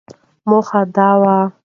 موخه دا وه ،